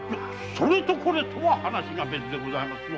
それとこれとは話が別でございますよ。